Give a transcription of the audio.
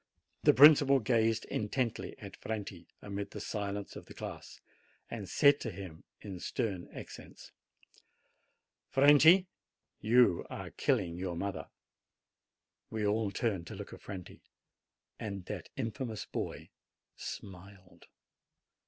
The principal gazed intently at Franti, amid the silence of the class, and said to him in stern accents : "Franti, you are killing your mother!" H4 JANUARY We all turned to look at Franti ; and that infamous boy smiled.